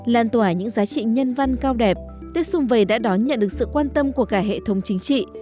lan tỏa những giá trị nhân văn cao đẹp tết xung vầy đã đón nhận được sự quan tâm của cả hệ thống chính trị